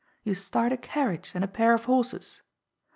You start a carriage and a pair of horses.